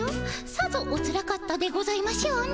さぞおつらかったでございましょうね。